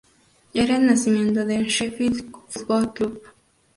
Era el nacimiento del Sheffield Football Club.